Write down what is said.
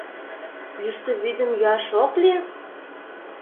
Йӱштӧ вӱдым йӱаш ок лий?